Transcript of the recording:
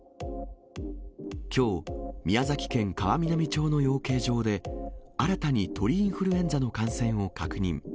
きょう、宮崎県川南町の養鶏場で、新たに鳥インフルエンザの感染を確認。